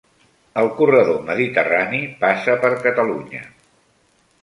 El corredor mediterrani passa per Catalunya